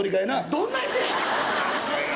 どんな人や！